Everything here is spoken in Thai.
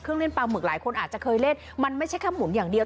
เล่นปลาหมึกหลายคนอาจจะเคยเล่นมันไม่ใช่แค่หมุนอย่างเดียว